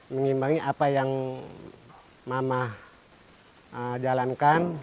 mengimbangi apa yang mama jalankan